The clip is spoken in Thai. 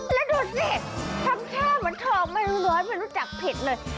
แล้วดูสิทำท่าเหมือนทองไม่รู้ร้อยไม่รู้จักเผ็ดเลย